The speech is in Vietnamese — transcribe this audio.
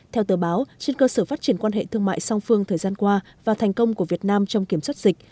theo tờ báo trên cơ sở phát triển quan hệ thương mại song phương thời gian qua và thành công của việt nam trong kiểm soát dịch